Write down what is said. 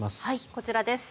こちらです。